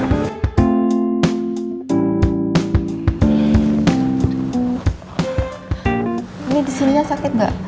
ini di sininya sakit mbak